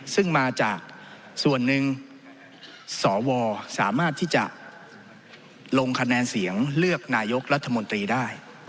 ซึ่งมาจากส่วนหนึ่งสวสามารถที่จะลงคะแนนเสียงเลือกนายกรัฐมนตรีได้